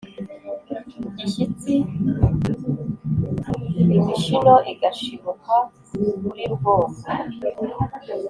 gishyitsi, imishino igashibuka kuri rugongo